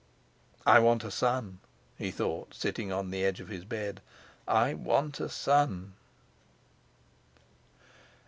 "I want a son," he thought, sitting on the edge of his bed; "I want a son."